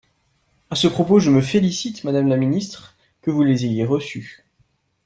À ce propos, je me félicite, madame la ministre, que vous les ayez reçues.